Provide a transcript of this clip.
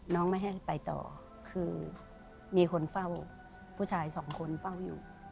ไม่ให้ไปต่อคือมีคนเฝ้าผู้ชายสองคนเฝ้าอยู่